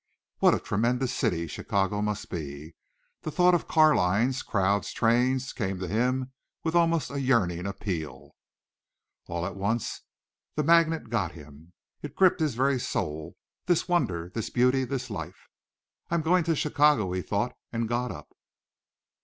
What a tremendous city Chicago must be. The thought of car lines, crowds, trains, came to him with almost a yearning appeal. All at once the magnet got him. It gripped his very soul, this wonder, this beauty, this life. "I'm going to Chicago," he thought, and got up.